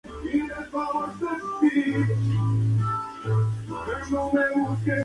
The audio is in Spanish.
Pero nuevamente, Rodolfo se interpone y los separa.